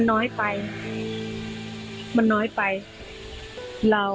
มันเป็นอาหารของพระราชา